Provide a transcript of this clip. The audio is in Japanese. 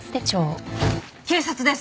警察です！